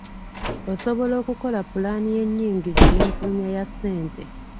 Osobola okukola pulaani y’ennyingiza n’enfulumya ya ssente.